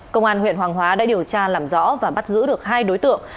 công an huyện hoàng hóa đã điều tra làm rõ và bắt giữ được hai đối tượng